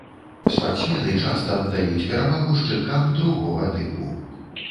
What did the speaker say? Спартсмены часта аддаюць перавагу шчыткам другога тыпу.